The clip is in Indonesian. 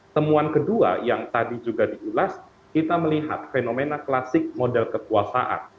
temuan kedua yang tadi juga diulas kita melihat fenomena klasik model kekuasaan